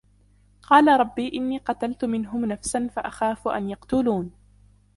قال رب إني قتلت منهم نفسا فأخاف أن يقتلون